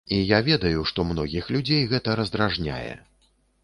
І я ведаю, што многіх людзей гэта раздражняе.